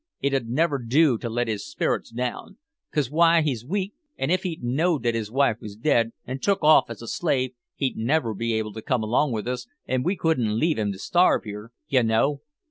"It 'ud never do to let his sperrits down; 'cause w'y? he's weak, an' if he know'd that his wife was dead, or took off as a slave, he'd never be able to go along with us, and we couldn't leave him to starve here, you know."